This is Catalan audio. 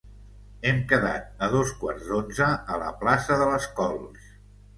Hem quedat a dos quarts d'onze a la plaça de les Cols.